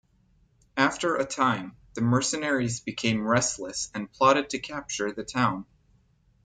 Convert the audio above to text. After a time, the mercenaries became restless and plotted to capture the town.